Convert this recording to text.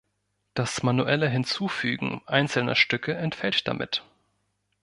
Das manuelle Hinzufügen einzelner Stücke entfällt damit.